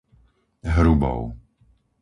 Hrubov